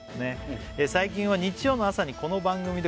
「最近は日曜の朝にこの番組で」